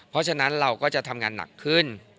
เพราะฉะนั้นเราก็จะทำงานหนักขึ้น